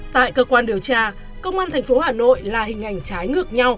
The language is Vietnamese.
tại cơ quan điều tra công an tp hà nội là hình ảnh trái ngược nhau